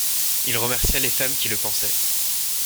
Il remercia les femmes qui le pansaient.